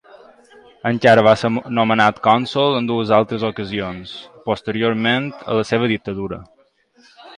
Encara va ser nomenat cònsol en dues altres ocasions, posteriorment a la seva dictadura.